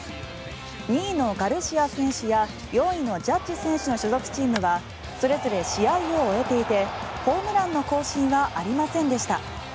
２位のガルシア選手や４位のジャッジ選手の所属チームはそれぞれ試合を終えていてホームランの更新はありませんでした。